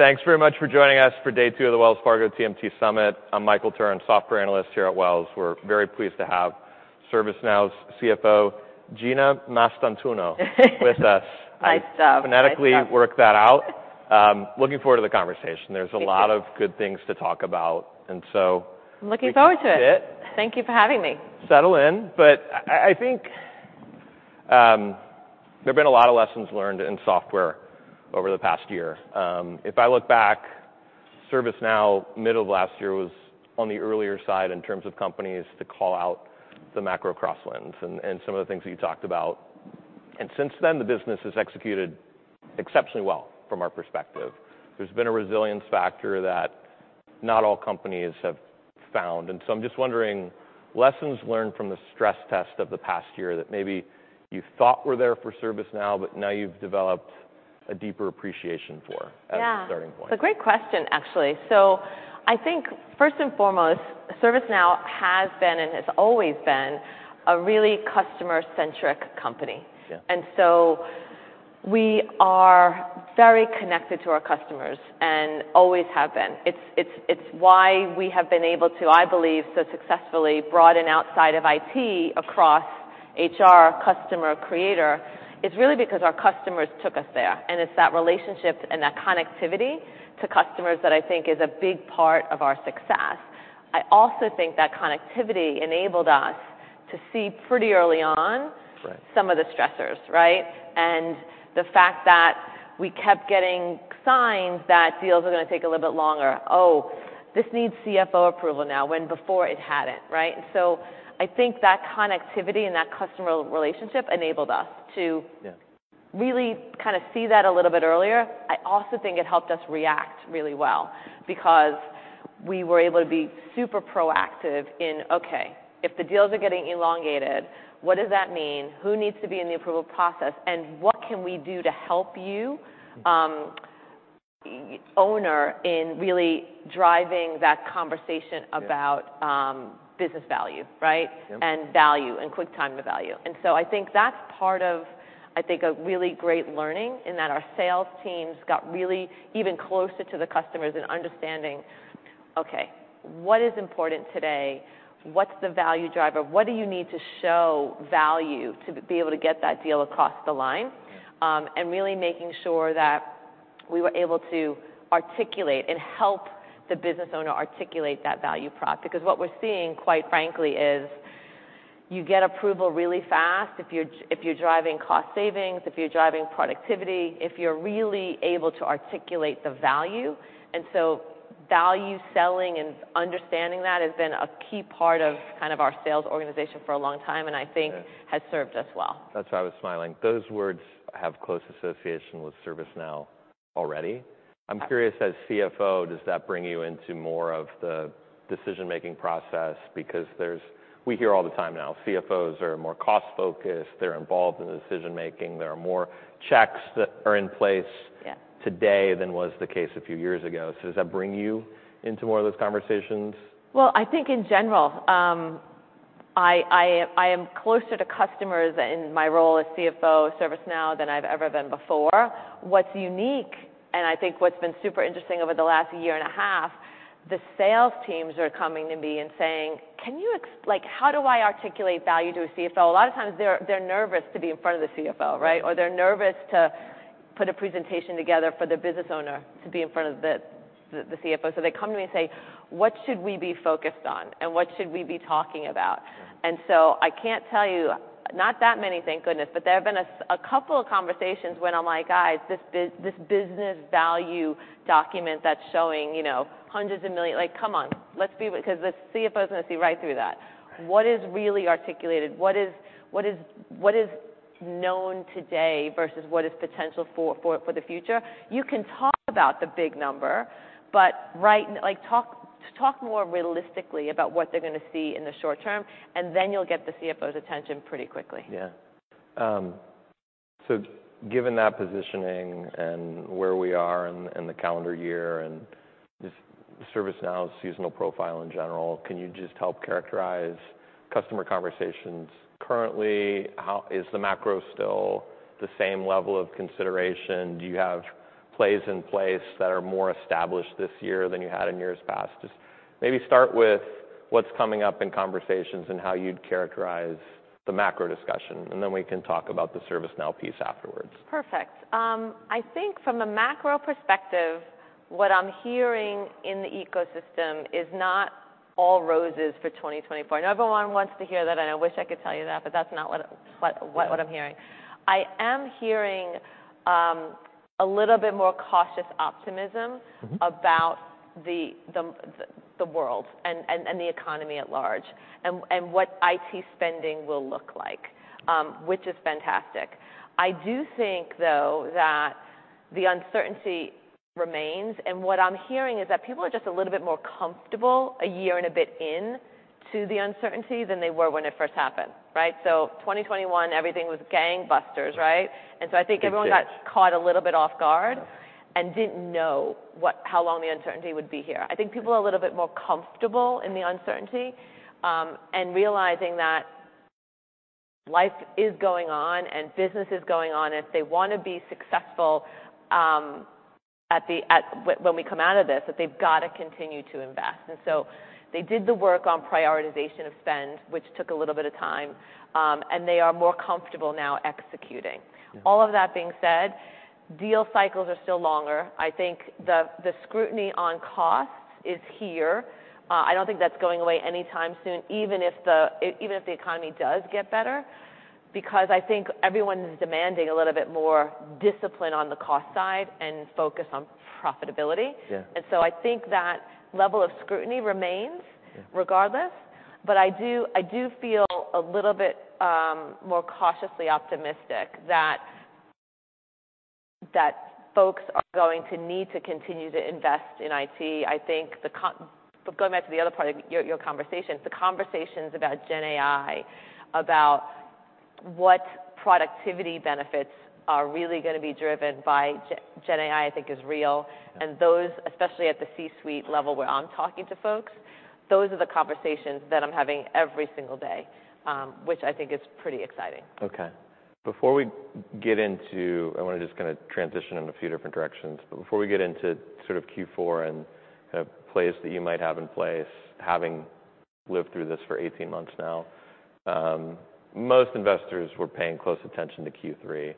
Thanks very much for joining us for day two of the Wells Fargo TMT Summit. I'm Michael Turrin, software analyst here at Wells. We're very pleased to have ServiceNow's CFO, Gina Mastantuono, with us. Nice job. I phonetically worked that out. Looking forward to the conversation. Thank you. There's a lot of good things to talk about, and so- I'm looking forward to it. We can fit. Thank you for having me. Settle in. But I think there've been a lot of lessons learned in software over the past year. If I look back, ServiceNow, middle of last year, was on the earlier side in terms of companies to call out the macro crosswinds and some of the things that you talked about. And since then, the business has executed exceptionally well, from our perspective. There's been a resilience factor that not all companies have found, and so I'm just wondering, lessons learned from the stress test of the past year that maybe you thought were there for ServiceNow, but now you've developed a deeper appreciation for- Yeah -as a starting point. It's a great question, actually. So I think, first and foremost, ServiceNow has been and has always been a really customer-centric company. Yeah. And so we are very connected to our customers and always have been. It's why we have been able to, I believe, so successfully broaden outside of IT across HR, customer, creator. It's really because our customers took us there, and it's that relationship and that connectivity to customers that I think is a big part of our success. I also think that connectivity enabled us to see pretty early on- Right... some of the stressors, right? And the fact that we kept getting signs that deals are gonna take a little bit longer. "Oh, this needs CFO approval now," when before it hadn't, right? And so I think that connectivity and that customer relationship enabled us to- Yeah really kinda see that a little bit earlier. I also think it helped us react really well because we were able to be super proactive in, "Okay, if the deals are getting elongated, what does that mean? Who needs to be in the approval process, and what can we do to help you? Mm-hmm. owner in really driving that conversation about- Yeah Business value, right? Yep. Value, and quick time to value. So I think that's part of, I think, a really great learning, in that our sales teams got really even closer to the customers in understanding, "Okay, what is important today? What's the value driver? What do you need to show value to be able to get that deal across the line? Yeah. And really making sure that we were able to articulate and help the business owner articulate that value prop. Because what we're seeing, quite frankly, is you get approval really fast if you're driving cost savings, if you're driving productivity, if you're really able to articulate the value. And so value selling and understanding that has been a key part of, kind of, our sales organization for a long time, and I think- Yeah Has served us well. That's why I was smiling. Those words have close association with ServiceNow already. Yeah. I'm curious, as CFO, does that bring you into more of the decision-making process? Because there's... We hear all the time now, CFOs are more cost-focused, they're involved in the decision-making. There are more checks that are in place- Yeah today than was the case a few years ago. So does that bring you into more of those conversations? Well, I think in general, I am closer to customers in my role as CFO of ServiceNow than I've ever been before. What's unique, and I think what's been super interesting over the last year and a half, the sales teams are coming to me and saying: "Can you like, how do I articulate value to a CFO?" A lot of times they're nervous to be in front of the CFO, right? Yeah. Or they're nervous to put a presentation together for the business owner to be in front of the CFO. So they come to me and say: "What should we be focused on, and what should we be talking about? Yeah. I can't tell you, not that many, thank goodness, but there have been a couple of conversations when I'm like: "Guys, this business value document that's showing, you know, hundreds of millions..." Like, come on, let's be, because the CFO is gonna see right through that. Right. What is really articulated? What is known today versus what is potential for the future? You can talk about the big number, but like talk more realistically about what they're gonna see in the short term, and then you'll get the CFO's attention pretty quickly. Yeah. So given that positioning and where we are in the calendar year, and just ServiceNow's seasonal profile in general, can you just help characterize customer conversations? Currently, how is the macro still the same level of consideration? Do you have plays in place that are more established this year than you had in years past? Just maybe start with what's coming up in conversations and how you'd characterize the macro discussion, and then we can talk about the ServiceNow piece afterwards. Perfect. I think from the macro perspective, what I'm hearing in the ecosystem is not all roses for 2024. I know everyone wants to hear that, and I wish I could tell you that, but that's not what- Yeah -I'm hearing. I am hearing, a little bit more cautious optimism- Mm-hmm -about the world and the economy at large, and what IT spending will look like, which is fantastic. I do think, though, that the uncertainty remains, and what I'm hearing is that people are just a little bit more comfortable, a year and a bit in, to the uncertainty than they were when it first happened, right? So 2021, everything was gangbusters, right? Yeah. And so I think everyone- It did... got caught a little bit off guard- Yeah and didn't know what, how long the uncertainty would be here. Right. I think people are a little bit more comfortable in the uncertainty, and realizing that life is going on, and business is going on. If they want to be successful, at when we come out of this, that they've got to continue to invest. And so they did the work on prioritization of spend, which took a little bit of time, and they are more comfortable now executing. Yeah. All of that being said, deal cycles are still longer. I think the scrutiny on costs is here. I don't think that's going away anytime soon, even if the economy does get better, because I think everyone is demanding a little bit more discipline on the cost side and focus on profitability. Yeah. I think that level of scrutiny remains- Yeah... regardless, but I do, I do feel a little bit more cautiously optimistic that, that folks are going to need to continue to invest in IT. I think but going back to the other part of your, your conversation, the conversations about GenAI, about what productivity benefits are really gonna be driven by GenAI, I think is real. Yeah. Those, especially at the C-suite level, where I'm talking to folks, those are the conversations that I'm having every single day, which I think is pretty exciting. Okay. Before we get into... I wanna just kinda transition in a few different directions, but before we get into sort of Q4 and the plays that you might have in place, having lived through this for 18 months now, most investors were paying close attention to Q3.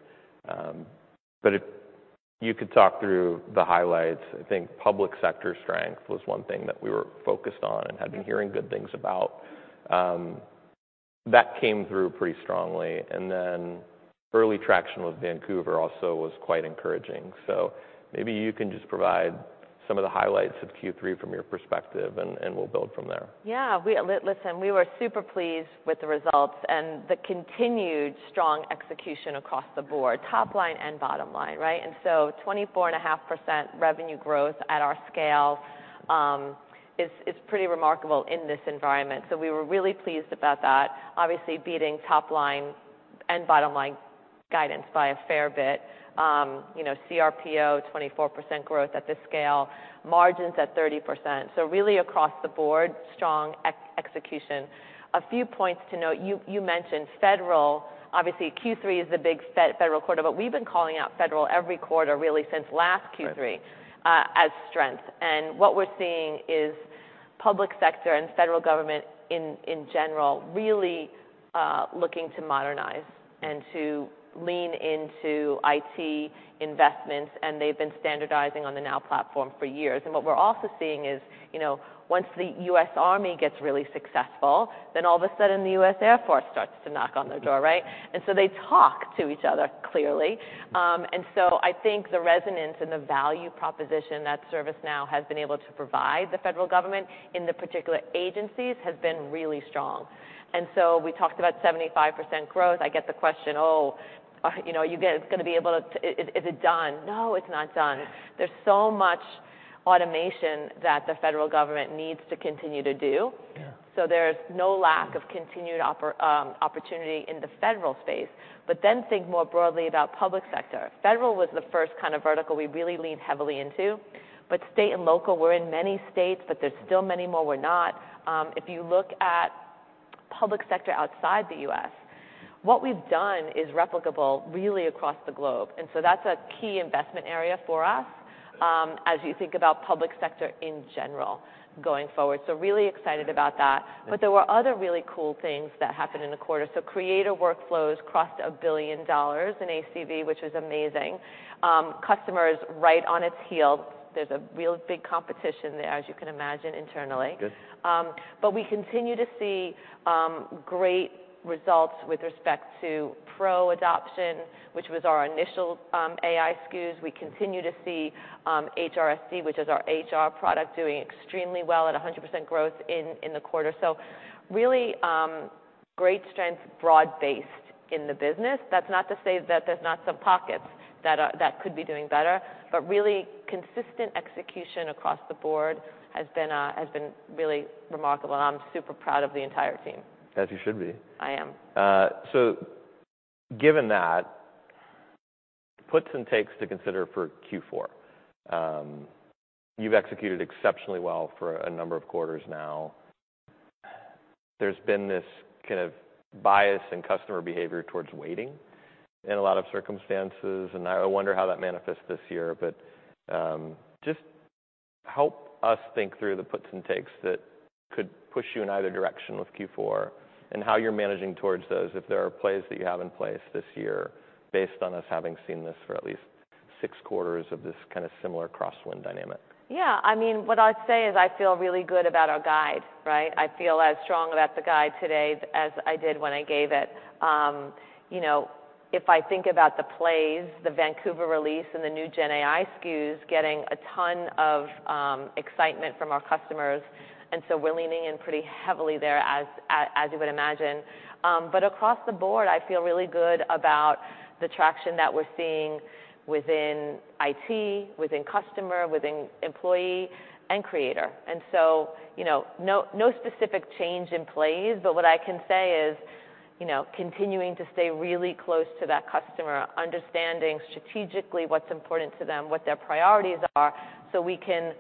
But if you could talk through the highlights, I think Public Sector strength was one thing that we were focused on- Yeah and had been hearing good things about. That came through pretty strongly, and then early traction with Vancouver also was quite encouraging. So maybe you can just provide some of the highlights of Q3 from your perspective, and we'll build from there. Yeah, listen, we were super pleased with the results and the continued strong execution across the board, top line and bottom line, right? And so 24.5% revenue growth at our scale is pretty remarkable in this environment. So we were really pleased about that, obviously, beating top line and bottom line guidance by a fair bit. You know, CRPO, 24% growth at this scale, margins at 30%. So really across the board, strong execution. A few points to note. You mentioned federal. Obviously, Q3 is the big federal quarter, but we've been calling out federal every quarter, really, since last Q3- Right... as strength. And what we're seeing is Public Sector and Federal government in general really looking to modernize and to lean into IT investments, and they've been standardizing on the Now Platform for years. And what we're also seeing is, you know, once the U.S. Army gets really successful, then all of a sudden, the U.S. Air Force starts to knock on their door, right? And so they talk to each other, clearly. And so I think the resonance and the value proposition that ServiceNow has been able to provide the federal government, in particular agencies, has been really strong. And so we talked about 75% growth. I get the question: "Oh, you know, are you guys gonna be able to... Is it done?" No, it's not done. Yeah. There's so much automation that the federal government needs to continue to do. Yeah. So there's no lack of continued opportunity in the federal space. But then think more broadly about public sector. Federal was the first kind of vertical we really leaned heavily into, but state and local, we're in many states, but there's still many more we're not. If you look at public sector outside the U.S., what we've done is replicable, really, across the globe, and so that's a key investment area for us- Yeah... as you think about public sector in general, going forward. So really excited about that. Yeah. But there were other really cool things that happened in the quarter. Creative Workflows crossed $1 billion in ACV, which is amazing. Customers right on its heels. There's a real big competition there, as you can imagine, internally. Good. But we continue to see great results with respect to Pro adoption, which was our initial AI SKUs. We continue to see HRSD, which is our HR product, doing extremely well at 100% growth in the quarter. So really great strength, broad-based in the business. That's not to say that there's not some pockets that could be doing better, but really consistent execution across the board has been really remarkable, and I'm super proud of the entire team. As you should be. I am. Given that, puts and takes to consider for Q4. You've executed exceptionally well for a number of quarters now. There's been this kind of bias in customer behavior towards waiting in a lot of circumstances, and I wonder how that manifests this year. Just help us think through the puts and takes that could push you in either direction with Q4, and how you're managing towards those, if there are plays that you have in place this year, based on us having seen this for at least six quarters of this kind of similar crosswind dynamic. Yeah, I mean, what I'd say is I feel really good about our guide, right? I feel as strong about the guide today as I did when I gave it. You know, if I think about the plays, the Vancouver release and the new GenAI SKUs, getting a ton of excitement from our customers, and so we're leaning in pretty heavily there, as you would imagine. But across the board, I feel really good about the traction that we're seeing within IT, within customer, within employee, and creator. And so, you know, no specific change in plays, but what I can say is, you know, continuing to stay really close to that customer, understanding strategically what's important to them, what their priorities are, so we can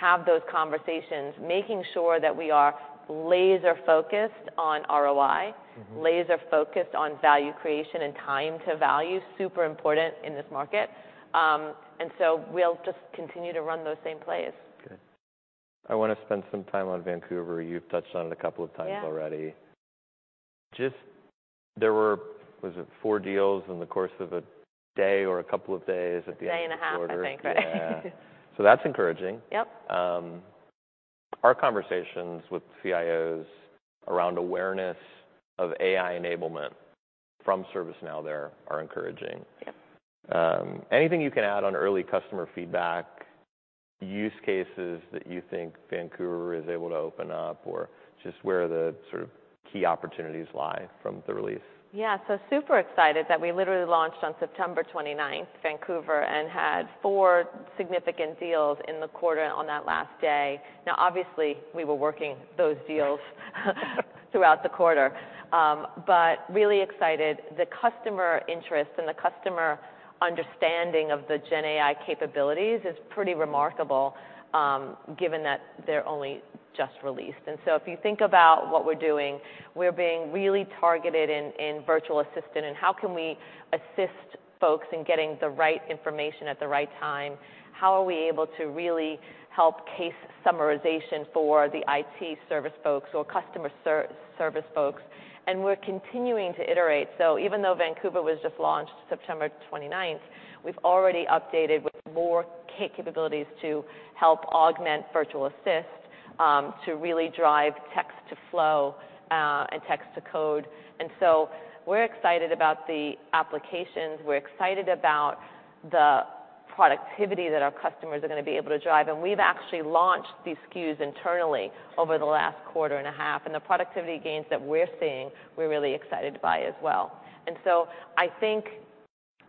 have those conversations, making sure that we are laser-focused on ROI- Mm-hmm. - laser-focused on value creation and time to value, super important in this market. And so we'll just continue to run those same plays. Good. I wanna spend some time on Vancouver. You've touched on it a couple of times already. Yeah. Just, there were, was it four deals in the course of a day or a couple of days at the end of the quarter? A day and a half, I think, right? Yeah. So that's encouraging. Yep. Our conversations with CIOs around awareness of AI enablement from ServiceNow, there are encouraging. Yep. Anything you can add on early customer feedback, use cases that you think Vancouver is able to open up, or just where the sort of key opportunities lie from the release? Yeah, so super excited that we literally launched on September 29, Vancouver, and had 4 significant deals in the quarter on that last day. Now, obviously, we were working those deals throughout the quarter. But really excited. The customer interest and the customer understanding of the GenAI capabilities is pretty remarkable, given that they're only just released. And so if you think about what we're doing, we're being really targeted in virtual assistant, and how can we assist folks in getting the right information at the right time? How are we able to really help case summarization for the IT service folks or customer service folks? And we're continuing to iterate. So even though Vancouver was just launched September 29, we've already updated with more capabilities to help augment virtual assist, to really drive text to flow, and text to code. And so we're excited about the applications, we're excited about the productivity that our customers are gonna be able to drive, and we've actually launched these SKUs internally over the last quarter and a half, and the productivity gains that we're seeing, we're really excited by as well. And so I think...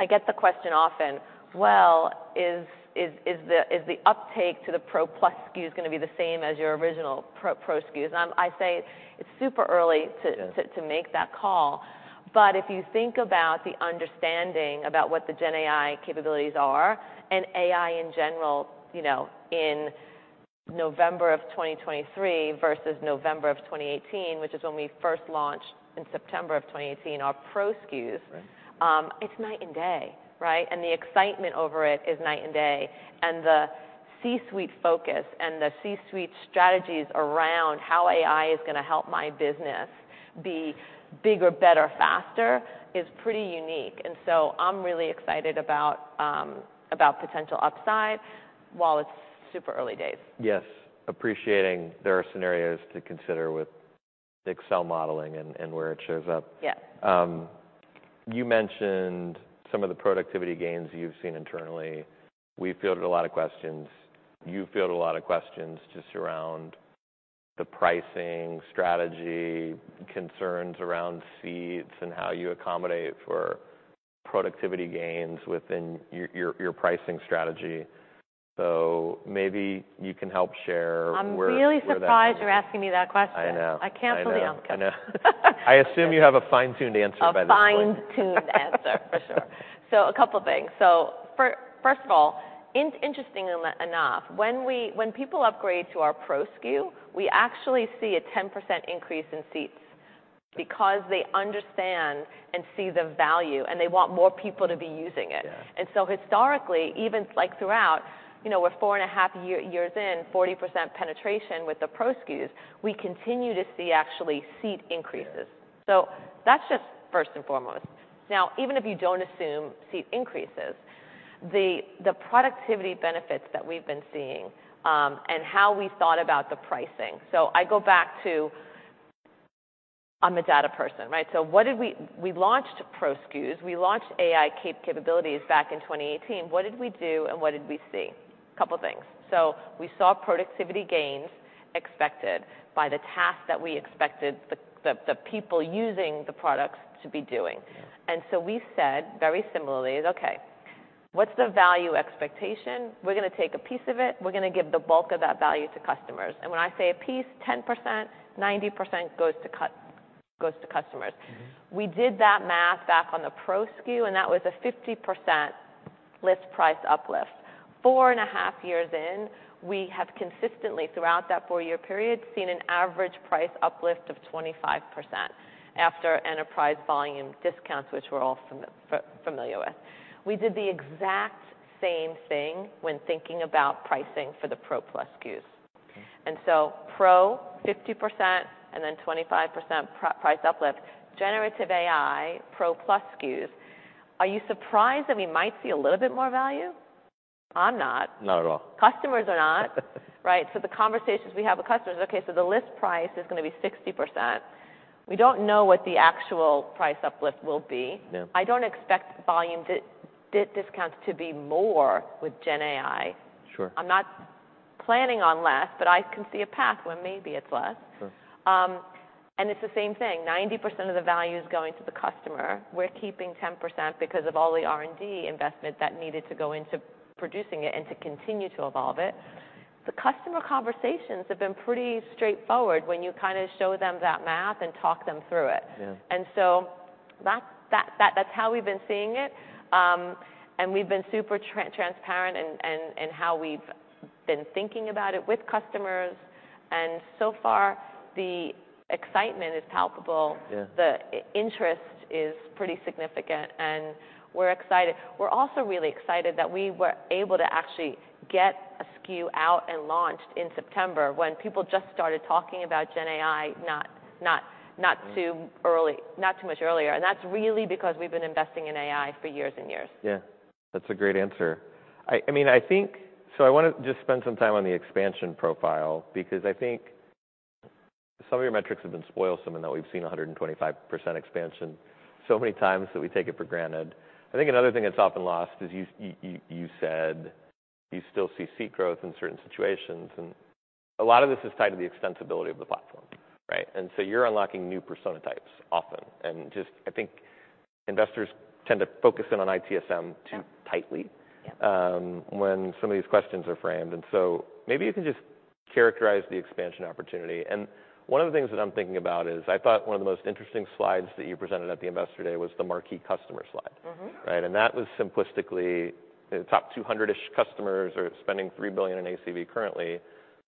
I get the question often: Well, is the uptake to the Pro Plus SKU gonna be the same as your original Pro SKUs? And I say it's super early to- Yeah ...to make that call. But if you think about the understanding about what the GenAI capabilities are, and AI in general, you know, in November of 2023 versus November of 2018, which is when we first launched in September of 2018, our Pro SKUs- Right... It's night and day, right? The excitement over it is night and day. The C-suite focus and the C-suite strategies around how AI is gonna help my business be bigger, better, faster, is pretty unique. So I'm really excited about potential upside, while it's super early days. Yes. Appreciating there are scenarios to consider with Excel modeling and where it shows up. Yeah. You mentioned some of the productivity gains you've seen internally. We've fielded a lot of questions. You've fielded a lot of questions just around the pricing, strategy, concerns around seats, and how you accommodate for productivity gains within your pricing strategy. So maybe you can help share where that- I'm really surprised you're asking me that question. I know. I canceled the outcome. I know. I know. I assume you have a fine-tuned answer by this point. A fine-tuned answer, for sure. So a couple things. So first of all, interestingly enough, when people upgrade to our Pro SKU, we actually see a 10% increase in seats because they understand and see the value, and they want more people to be using it. Yeah. Historically, even like throughout, you know, we're 4.5 years in, 40% penetration with the Pro SKUs, we continue to see actually seat increases. Yeah. So that's just first and foremost. Now, even if you don't assume seat increases, the productivity benefits that we've been seeing, and how we thought about the pricing. So I go back to... I'm a data person, right? So we launched Pro SKUs, we launched AI capabilities back in 2018. What did we do and what did we see? A couple things. So we saw productivity gains expected by the task that we expected the people using the products to be doing. Yeah. So we said very similarly, "Okay, what's the value expectation? We're gonna take a piece of it. We're gonna give the bulk of that value to customers." And when I say a piece, 10%, 90% goes to customers. Mm-hmm. We did that math back on the Pro SKU, and that was a 50% list price uplift. 4.5 years in, we have consistently, throughout that 4-year period, seen an average price uplift of 25% after enterprise volume discounts, which we're all familiar with. We did the exact same thing when thinking about pricing for the ProPlus SKUs. Mm. And so Pro, 50%, and then 25% price uplift. Generative AI, ProPlus SKUs. Are you surprised that we might see a little bit more value? I'm not. Not at all. Customers are not. Right. So the conversations we have with customers, "Okay, so the list price is gonna be 60%." We don't know what the actual price uplift will be. Yeah. I don't expect volume discounts to be more with GenAI. Sure. I'm not planning on less, but I can see a path where maybe it's less. Sure. And it's the same thing, 90% of the value is going to the customer. We're keeping 10% because of all the R&D investment that needed to go into producing it and to continue to evolve it. The customer conversations have been pretty straightforward when you kinda show them that math and talk them through it. Yeah. That's how we've been seeing it. We've been super transparent in how we've been thinking about it with customers, and so far, the excitement is palpable. Yeah. The interest is pretty significant, and we're excited. We're also really excited that we were able to actually get a SKU out and launched in September, when people just started talking about GenAI, not too- Mm... early, not too much earlier, and that's really because we've been investing in AI for years and years. Yeah, that's a great answer. I mean, I think... So I wanna just spend some time on the expansion profile because I think some of your metrics have been spoilsome, in that we've seen 125% expansion so many times that we take it for granted. I think another thing that's often lost is you said you still see seat growth in certain situations, and a lot of this is tied to the extensibility of the platform, right? And so you're unlocking new persona types often, and just I think investors tend to focus in on ITSM- Yeah... too tightly. Yeah... when some of these questions are framed, and so maybe you can just characterize the expansion opportunity. And one of the things that I'm thinking about is, I thought one of the most interesting slides that you presented at the Investor Day was the marquee customer slide. Mm-hmm. Right? That was simplistically, the top 200-ish customers are spending $3 billion in ACV currently,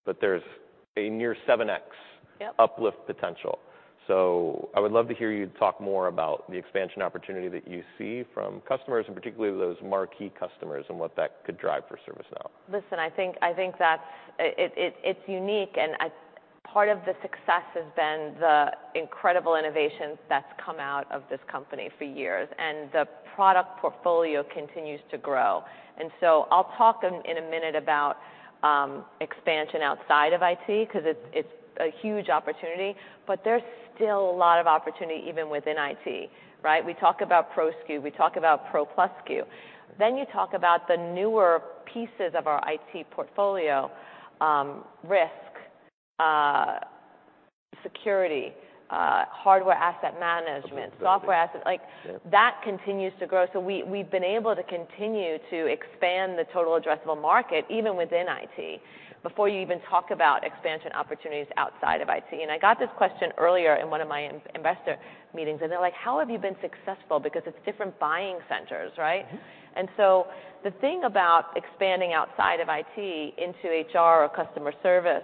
but there's a near 7x- Yep... uplift potential. So I would love to hear you talk more about the expansion opportunity that you see from customers, and particularly those marquee customers, and what that could drive for ServiceNow. Listen, I think that's it, it's unique, and I... Part of the success has been the incredible innovations that's come out of this company for years, and the product portfolio continues to grow. So I'll talk in a minute about expansion outside of IT, 'cause it's a huge opportunity, but there's still a lot of opportunity even within IT, right? We talk about Pro SKU, we talk about Pro Plus SKU. Then you talk about the newer pieces of our IT portfolio, risk, security, Hardware Asset Management- Okay... Software Asset. Yeah. Like, that continues to grow. So we, we've been able to continue to expand the total addressable market, even within IT, before you even talk about expansion opportunities outside of IT. And I got this question earlier in one of my investor meetings, and they're like: "How have you been successful?" Because it's different buying centers, right? Mm-hmm. And so the thing about expanding outside of IT into HR or customer service,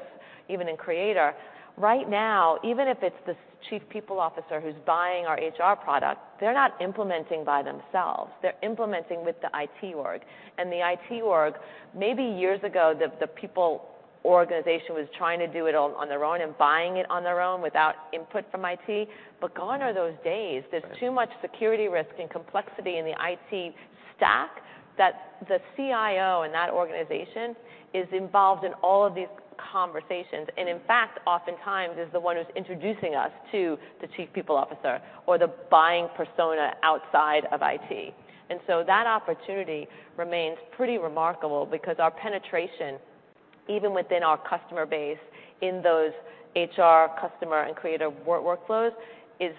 even in Creator, right now, even if it's the chief people officer who's buying our HR product, they're not implementing by themselves. They're implementing with the IT org. And the IT org, maybe years ago, the people organization was trying to do it on their own and buying it on their own without input from IT, but gone are those days. Right. There's too much security risk and complexity in the IT stack that the CIO in that organization is involved in all of these conversations, and in fact, oftentimes is the one who's introducing us to the Chief People Officer or the buying persona outside of IT. And so that opportunity remains pretty remarkable because our penetration, even within our customer base, in those HR, customer, and creative work, workflows, is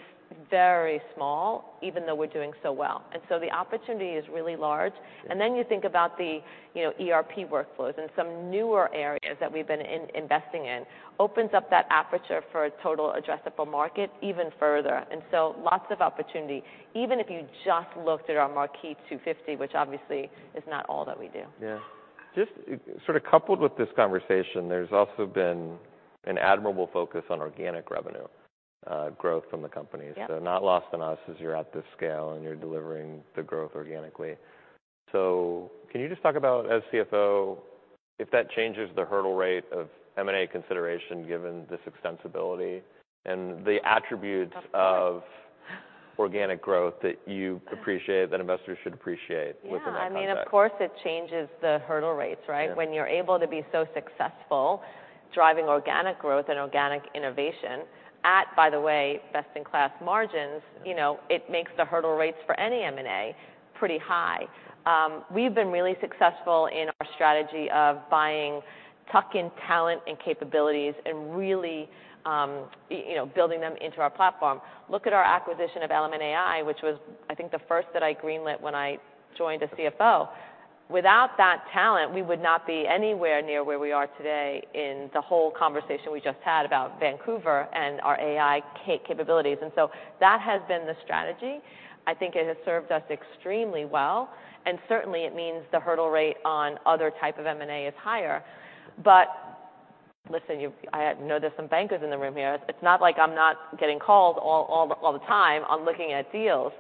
very small, even though we're doing so well. And so the opportunity is really large. Sure. And then you think about the, you know, ERP workflows and some newer areas that we've been investing in. Opens up that aperture for a total addressable market even further, and so lots of opportunity, even if you just looked at our marquee 250, which obviously is not all that we do. Yeah. Just, sort of coupled with this conversation, there's also been an admirable focus on organic revenue, growth from the company. Yep. Not lost on us as you're at this scale, and you're delivering the growth organically. Can you just talk about, as CFO, if that changes the hurdle rate of M&A consideration, given this extensibility and the attributes of organic growth that you appreciate, that investors should appreciate- Yeah... with the right context? I mean, of course, it changes the hurdle rates, right? Yeah. When you're able to be so successful, driving organic growth and organic innovation at, by the way, best-in-class margins, you know, it makes the hurdle rates for any M&A pretty high. We've been really successful in our strategy of buying, tuck-in talent and capabilities and really, you know, building them into our platform. Look at our acquisition of Element AI, which was, I think, the first that I greenlit when I joined as CFO. Without that talent, we would not be anywhere near where we are today in the whole conversation we just had about Vancouver and our AI capabilities, and so that has been the strategy. I think it has served us extremely well, and certainly, it means the hurdle rate on other type of M&A is higher. But listen, you—I know there's some bankers in the room here. It's not like I'm not getting called all the time on looking at deals.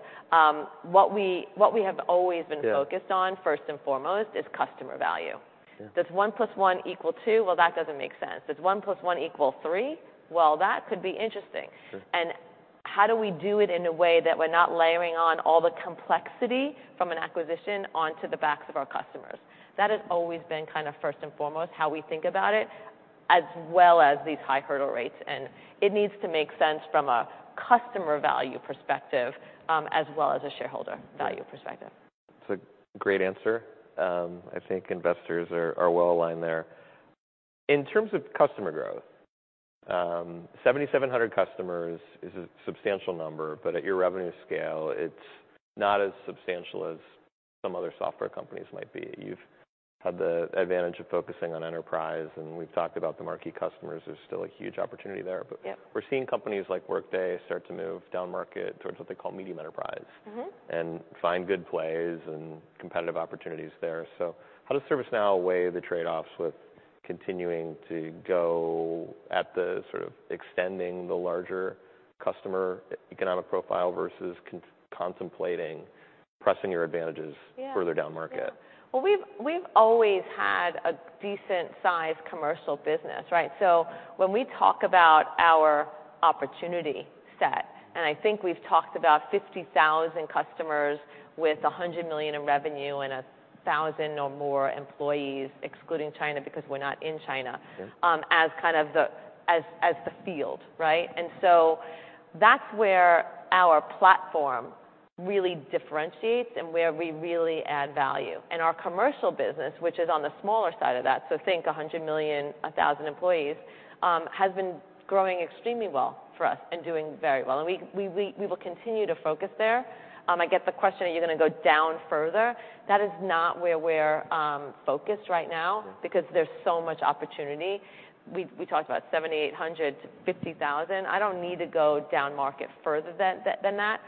What we have always been focused on- Yeah... first and foremost, is customer value. Yeah. Does one plus one equal two? Well, that doesn't make sense. Does one plus one equal three? Well, that could be interesting. Sure. How do we do it in a way that we're not layering on all the complexity from an acquisition onto the backs of our customers? That has always been kind of first and foremost how we think about it... as well as these high hurdle rates, and it needs to make sense from a customer value perspective, as well as a shareholder value perspective. It's a great answer. I think investors are well aligned there. In terms of customer growth, 7,700 customers is a substantial number, but at your revenue scale, it's not as substantial as some other software companies might be. You've had the advantage of focusing on enterprise, and we've talked about the marquee customers. There's still a huge opportunity there. Yep. We're seeing companies like Workday start to move down market towards what they call medium enterprise. Mm-hmm. And find good plays and competitive opportunities there. So how does ServiceNow weigh the trade-offs with continuing to go at the sort of extending the larger customer economic profile versus contemplating pressing your advantages- Yeah Further down market? Yeah. Well, we've always had a decent-sized commercial business, right? So when we talk about our opportunity set, and I think we've talked about 50,000 customers with $100 million in revenue and 1,000 or more employees, excluding China, because we're not in China- Sure... as kind of the field, right? And so that's where our platform really differentiates and where we really add value. And our commercial business, which is on the smaller side of that, so think $100 million, 1,000 employees, has been growing extremely well for us and doing very well, and we will continue to focus there. I get the question, are you gonna go down further? That is not where we're focused right now. Yeah... because there's so much opportunity. We talked about 7,800-50,000. I don't need to go down market further than that.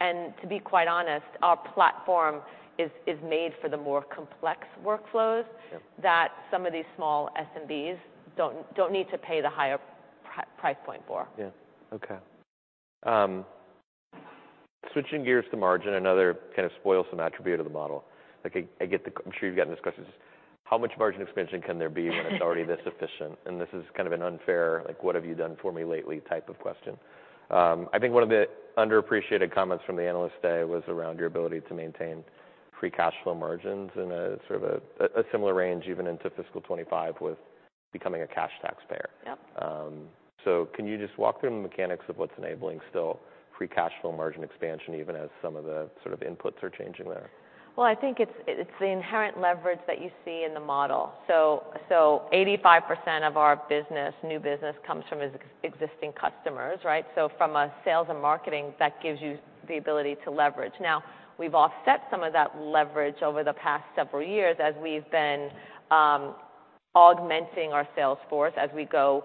Yeah. To be quite honest, our platform is made for the more complex workflows- Yep... that some of these small SMBs don't need to pay the higher price point for. Yeah. Okay. Switching gears to margin, another kind of spoils some attribute of the model. Like, I get the. I'm sure you've gotten discussions, how much margin expansion can there be when it's already this efficient? And this is kind of an unfair, like, what have you done for me lately, type of question. I think one of the underappreciated comments from the Analyst Day was around your ability to maintain free cash flow margins in a sort of a similar range, even into fiscal 25 with becoming a cash taxpayer. Yep. Can you just walk through the mechanics of what's enabling still free cash flow margin expansion, even as some of the sort of inputs are changing there? Well, I think it's the inherent leverage that you see in the model. So, 85% of our business, new business comes from existing customers, right? So from a sales and marketing, that gives you the ability to leverage. Now, we've offset some of that leverage over the past several years as we've been augmenting our sales force, as we go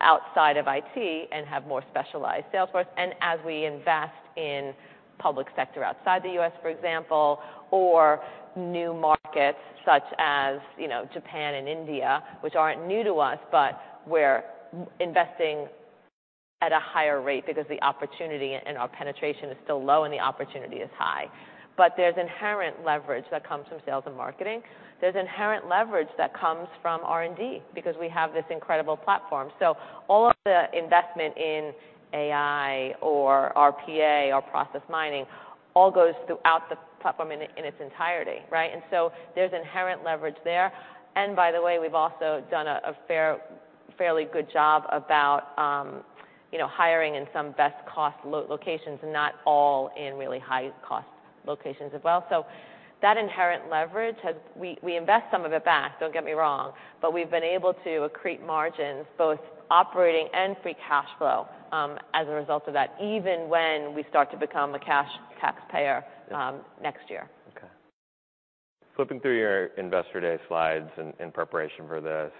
outside of IT and have more specialized sales force, and as we invest in public sector outside the US, for example, or new markets such as, you know, Japan and India, which aren't new to us, but we're investing at a higher rate because the opportunity and our penetration is still low and the opportunity is high. But there's inherent leverage that comes from sales and marketing. There's inherent leverage that comes from R&D, because we have this incredible platform. So all of the investment in AI or RPA or process mining, all goes throughout the platform in, in its entirety, right? And so there's inherent leverage there. And by the way, we've also done a fairly good job about, you know, hiring in some best cost locations and not all in really high-cost locations as well. So that inherent leverage has... We invest some of it back, don't get me wrong, but we've been able to accrete margins, both operating and free cash flow, as a result of that, even when we start to become a cash taxpayer, next year. Okay. Flipping through your Investor Day slides in preparation for this,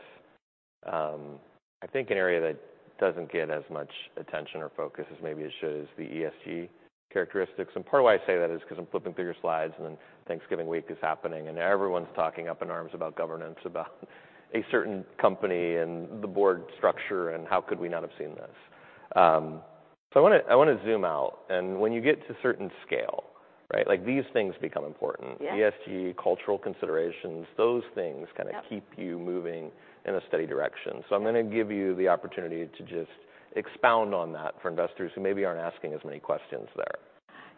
I think an area that doesn't get as much attention or focus as maybe it should is the ESG characteristics. And part of why I say that is because I'm flipping through your slides, and then Thanksgiving week is happening, and everyone's talking up in arms about governance, about a certain company and the board structure, and how could we not have seen this? So I wanna zoom out, and when you get to a certain scale, right, like, these things become important. Yeah. ESG, cultural considerations, those things- Yep Kinda keep you moving in a steady direction. So I'm gonna give you the opportunity to just expound on that for investors who maybe aren't asking as many questions there.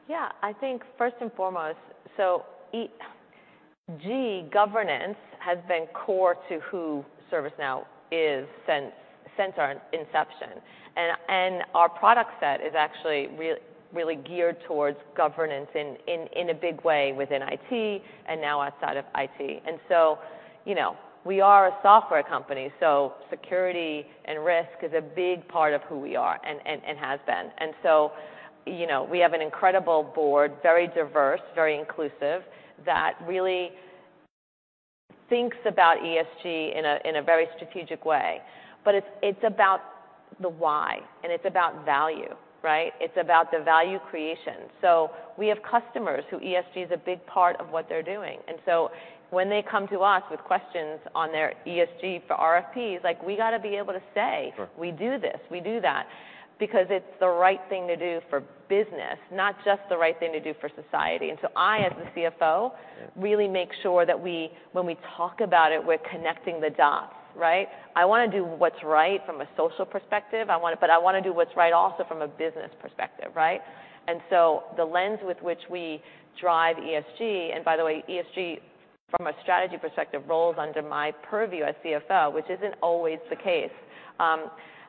Yeah. I think first and foremost, ESG governance has been core to who ServiceNow is since our inception. And our product set is actually really geared towards governance in a big way within IT and now outside of IT. And so, you know, we are a software company, so security and risk is a big part of who we are, and has been. And so, you know, we have an incredible board, very diverse, very inclusive, that really thinks about ESG in a very strategic way. But it's about the why, and it's about value, right? It's about the value creation. So we have customers who ESG is a big part of what they're doing. And so when they come to us with questions on their ESG for RFPs, like, we got to be able to say- Sure... we do this, we do that, because it's the right thing to do for business, not just the right thing to do for society. And so I, as the CFO- Yeah... really make sure that we, when we talk about it, we're connecting the dots, right? I wanna do what's right from a social perspective. I wanna—but I wanna do what's right also from a business perspective, right? And so the lens with which we drive ESG, and by the way, ESG from a strategy perspective, roles under my purview as CFO, which isn't always the case,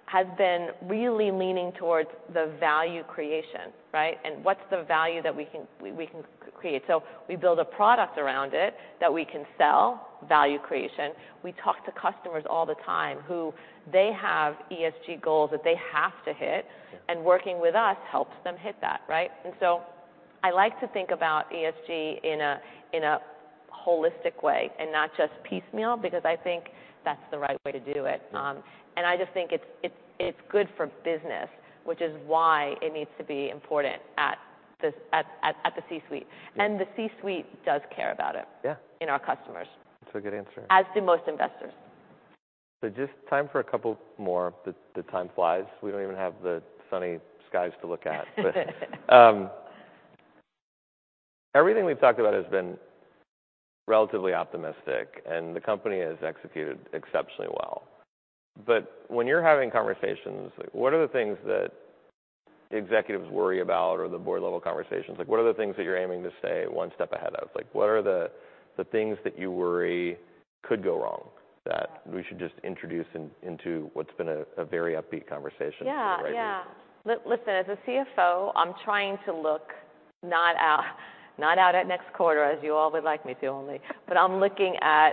has been really leaning towards the value creation, right? And what's the value that we can, we can create? So we build a product around it that we can sell, value creation. We talk to customers all the time who they have ESG goals that they have to hit- Yeah. Working with us helps them hit that, right? And so I like to think about ESG in a holistic way and not just piecemeal, because I think that's the right way to do it. Mm. I just think it's good for business, which is why it needs to be important at the C-suite. Yeah. The C-suite does care about it- Yeah in our customers. It's a good answer. As do most investors. So just time for a couple more. The time flies. We don't even have the sunny skies to look at. Everything we've talked about has been relatively optimistic, and the company has executed exceptionally well. But when you're having conversations, like, what are the things that executives worry about or the board level conversations? Like, what are the things that you're aiming to stay one step ahead of? Like, what are the things that you worry could go wrong that- Yeah We should just introduce into what's been a very upbeat conversation to the right? Yeah. Yeah. Listen, as a CFO, I'm trying to look not out, not out at next quarter, as you all would like me to only, but I'm looking at,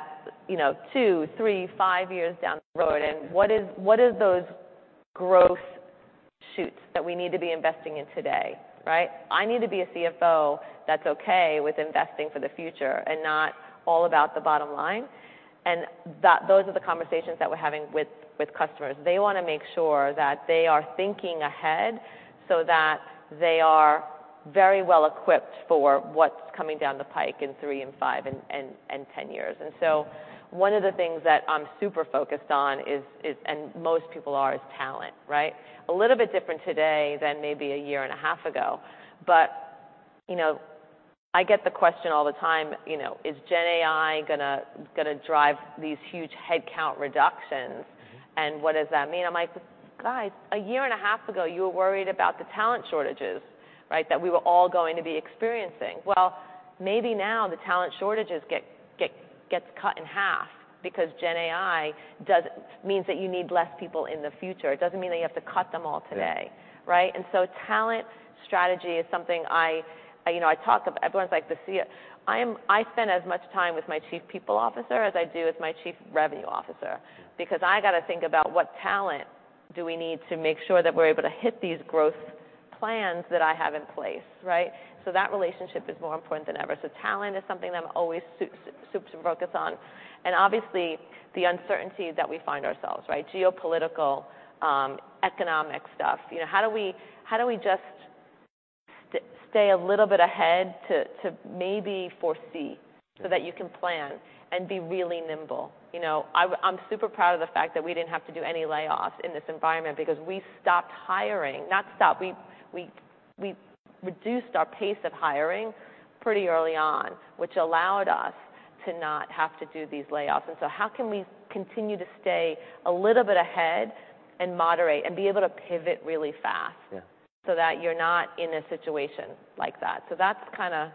you know, two, three, five years down the road. Mm. What are those growth shoots that we need to be investing in today, right? I need to be a CFO that's okay with investing for the future and not all about the bottom line. Those are the conversations that we're having with customers. They wanna make sure that they are thinking ahead so that they are very well equipped for what's coming down the pike in three and five and 10 years. So one of the things that I'm super focused on is – and most people are – is talent, right? A little bit different today than maybe a year and a half ago, but, you know, I get the question all the time, you know: "Is GenAI gonna drive these huge headcount reductions? Mm-hmm. - and what does that mean?" I'm like: "Guys, a year and a half ago, you were worried about the talent shortages, right? That we were all going to be experiencing." Well, maybe now the talent shortages gets cut in half because GenAI means that you need less people in the future. It doesn't mean that you have to cut them all today. Yeah. Right? And so, talent strategy is something I, you know, I talk of, everyone's like the CEO. I'm, I spend as much time with my Chief People Officer as I do with my Chief Revenue Officer. Mm. Because I got to think about what talent do we need to make sure that we're able to hit these growth plans that I have in place, right? So that relationship is more important than ever. So talent is something that I'm always super focused on, and obviously, the uncertainty that we find ourselves, right? Geopolitical, economic stuff. You know, how do we, how do we just stay a little bit ahead to, to maybe foresee, so that you can plan and be really nimble? You know, I'm, I'm super proud of the fact that we didn't have to do any layoffs in this environment because we stopped hiring. Not stopped, we, we, we reduced our pace of hiring pretty early on, which allowed us to not have to do these layoffs. So, how can we continue to stay a little bit ahead and moderate and be able to pivot really fast? Yeah... so that you're not in a situation like that? So that's kinda...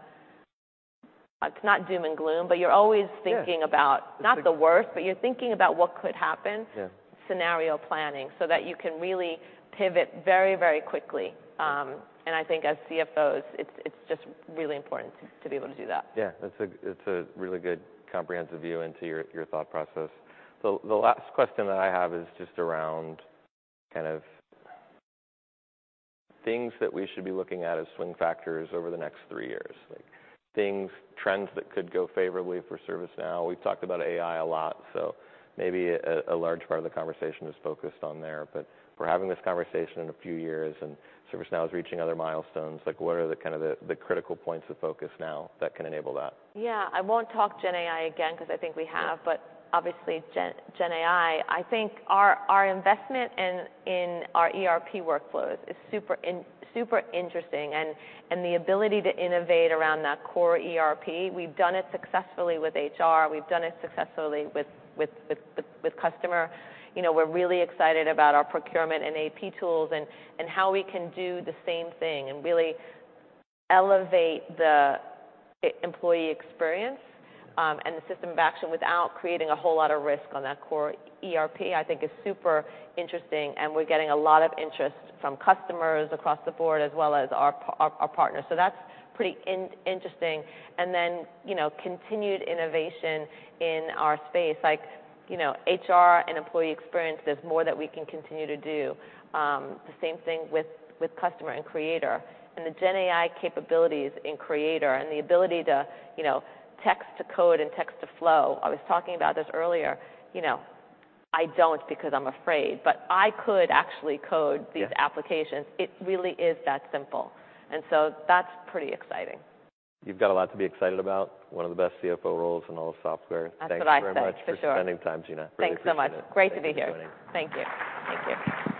It's not doom and gloom, but you're always thinking about- Yeah Not the worst, but you're thinking about what could happen. Yeah. Scenario planning, so that you can really pivot very, very quickly. Mm. And I think as CFOs, it's just really important to be able to do that. Yeah. It's a really good comprehensive view into your thought process. So the last question that I have is just around kind of things that we should be looking at as swing factors over the next three years. Like, things, trends that could go favorably for ServiceNow. We've talked about AI a lot, so maybe a large part of the conversation is focused on there, but we're having this conversation in a few years, and ServiceNow is reaching other milestones. Like, what are the kind of the critical points of focus now that can enable that? Yeah. I won't talk GenAI again, 'cause I think we have. Yeah. But obviously, GenAI, I think our investment in our ERP workflows is super interesting, and the ability to innovate around that core ERP, we've done it successfully with HR, we've done it successfully with customer. You know, we're really excited about our procurement and AP tools and how we can do the same thing and really elevate the employee experience, and the system of action without creating a whole lot of risk on that core ERP, I think is super interesting, and we're getting a lot of interest from customers across the board, as well as our partners. So that's pretty interesting. And then, you know, continued innovation in our space, like, you know, HR and employee experience, there's more that we can continue to do. The same thing with customer and creator. And the GenAI capabilities in Creator and the ability to, you know, text to code and text to flow. I was talking about this earlier. You know, I don't, because I'm afraid, but I could actually code- Yeah These applications. It really is that simple, and so that's pretty exciting. You've got a lot to be excited about. One of the best CFO roles in all of software. That's what I say, for sure. Thanks so much for spending time, Gina. Thanks so much. Really appreciate it. Great to be here. Thank you for joining. Thank you. Thank you.